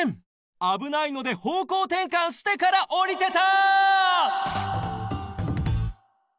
あぶないのでほうこうてんかんしてから降りてた！